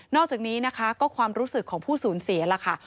อกจากนี้นะคะก็ความรู้สึกของผู้สูญเสียล่ะค่ะ